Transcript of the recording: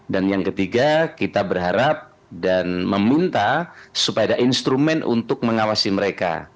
dan yang ketiga kita berharap dan meminta supaya ada instrumen untuk mengawasi mereka